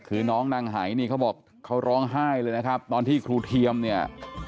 คือน้องนางหายเขาบอกเขาร้องไห้ตอนที่ครูเทียมเนี่ย